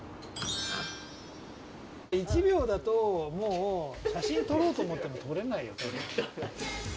１秒だと、もう写真撮ろうと思っても撮れないよね。